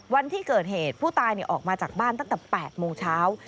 วันที่เกิดเหตุผู้ตายออกมาจากบ้านตั้งแต่๘โมงเช้า